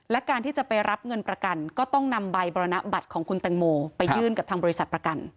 และการที่จะไปรับเงินประกันก็ต้องนำใบบรรณบัตรของคุณแตงโมไปยื่นกับทางบริษัทประกัน